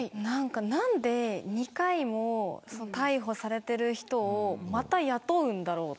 何で２回も逮捕されている人をまた雇うんだろう。